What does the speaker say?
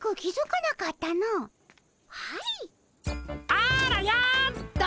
あらよっと。